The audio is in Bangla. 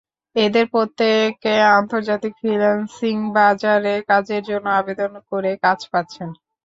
এঁদের প্রত্যেকে আন্তর্জাতিক ফ্রিল্যান্সিং বাজারে কাজের জন্য আবেদন করে কাজ পাচ্ছেন।